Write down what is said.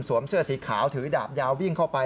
เสื้อสีขาวถือดาบยาววิ่งเข้าไป